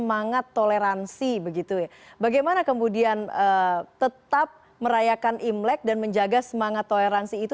semangat toleransi begitu ya bagaimana kemudian tetap merayakan imlek dan menjaga semangat toleransi itu